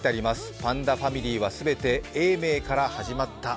「パンダファミリーはすべて永明から始まった」